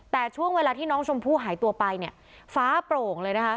แต่ช่วงเวลาที่น้องชมพู่หายตัวไปเนี่ยฟ้าโปร่งเลยนะคะ